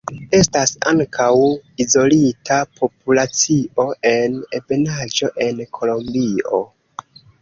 Estas ankaŭ izolita populacio en ebenaĵo en Kolombio.